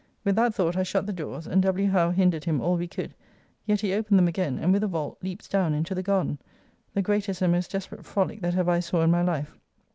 With that thought I shut the doors, and W. Howe hindered him all we could; yet he opened them again, and, with a vault, leaps down into the garden: the greatest and most desperate frolic that ever I saw in my life.